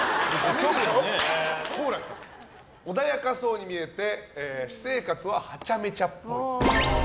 好楽さん、穏やかそうに見えて私生活はハチャメチャっぽい。